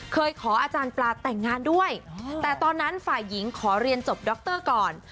เคยขออาจารย์ปลาแต่งงานด้วยแต่ตอนนั้นฝ่ายหญิงขอเรียนจบดรก่อน